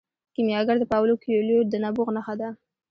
کیمیاګر د پاولو کویلیو د نبوغ نښه ده.